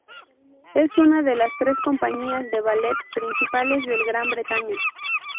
Es una de las tres compañías de ballet principales del Gran Bretaña.